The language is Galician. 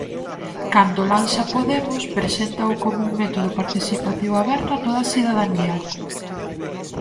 Cando lanza Podemos, preséntao como "un método participativo aberto a toda a cidadanía".